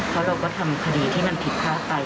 เพราะเราก็ทำคดีที่มันผิดพลาดไป